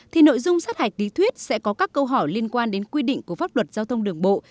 thì nội dung sát hạch lý thuyết sẽ có các câu hỏi liên quan đến quy định của pháp luật giao thông đường bộ